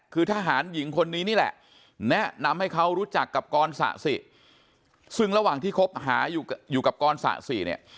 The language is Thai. คือทหารหญิงคนนี้นี่แหละแนะนำให้เขารู้จักกับกรสะสิซึ่งระหว่างที่คบหาอยู่กับกรสะสิเนี่ย